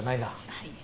はい。